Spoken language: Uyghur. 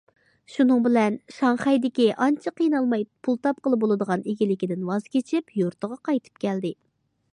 شۇنىڭ بىلەن شاڭخەيدىكى ئانچە قىينالماي پۇل تاپقىلى بولىدىغان ئىگىلىكىدىن ۋاز كېچىپ، يۇرتىغا قايتىپ كەلدى.